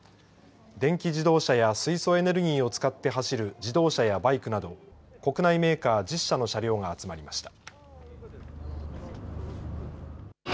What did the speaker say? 電気自動車や水素エネルギーを使って走る自動車やバイクなど国内メーカー１０社の車両が集まりました。